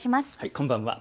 こんばんは。